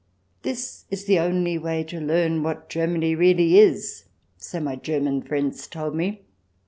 This is the only way to learn what Germany really is — so my German friends told me.